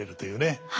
はい。